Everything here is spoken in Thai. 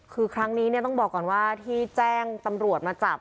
คือครั้งนี้เนี่ยต้องบอกก่อนว่าที่แจ้งตำรวจมาจับ